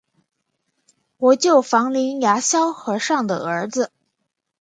国舅房林牙萧和尚的儿子。